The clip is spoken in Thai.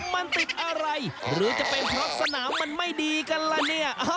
มันติดอะไรหรือจะเป็นเพราะสนามมันไม่ดีกันล่ะเนี่ย